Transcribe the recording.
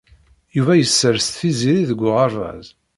Yuba yessers Tiziri deg uɣerbaz.